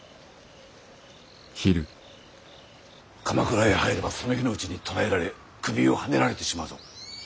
鎌倉へ入ればその日のうちに捕らえられ首をはねられてしまうぞ。